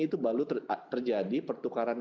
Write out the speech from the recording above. itu baru terjadi pertukaran